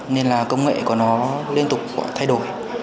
nên là công nghệ của nó liên tục thay đổi